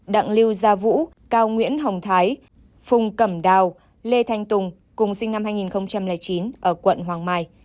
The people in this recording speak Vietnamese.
đặng lưu gia vũ cao nguyễn hồng thái phùng cẩm đào lê thanh tùng cùng sinh năm hai nghìn chín ở quận hoàng mai